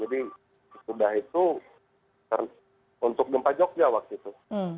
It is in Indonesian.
jadi sudah itu untuk gempa jogja waktu itu